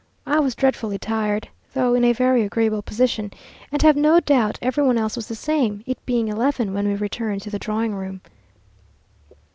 I was dreadfully tired (though in a very agreeable position), and have no doubt every one else was the same, it being eleven when we returned to the drawing room.